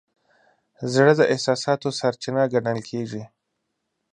زړه د احساساتو سرچینه ګڼل کېږي.